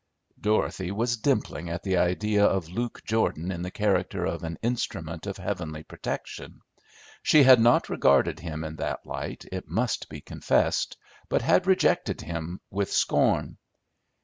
Dorothy was dimpling at the idea of Luke Jordan in the character of an instrument of heavenly protection. She had not regarded him in that light, it must be confessed, but had rejected him with scorn.